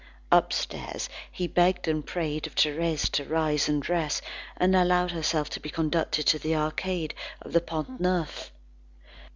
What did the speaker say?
Upstairs, he begged and prayed of Thérèse to rise and dress, and allow herself to be conducted to the Arcade of the Pont Neuf.